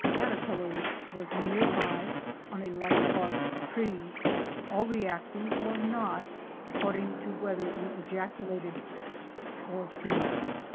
347 caterpillars was near by on a light barked tree, all reacting or not according to whether we ejaculated sst! or buzz!